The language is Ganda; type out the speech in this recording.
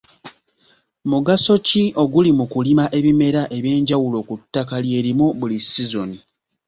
Mugaso ki oguli mu kulima ebimera eby'enjawulo ku ttaka lye limu buli sizoni?